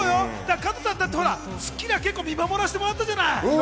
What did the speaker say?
加藤さん、『スッキリ』は見守らせてもらったじゃない。